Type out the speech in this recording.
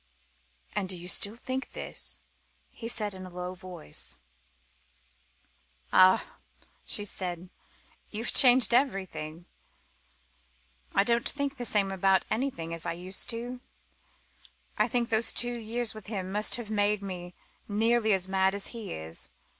"And do you still think this?" he asked in a low voice. "Ah," she said, "you've changed everything! I don't think the same about anything as I used to do. I think those two years with him must have made me nearly as mad as he is.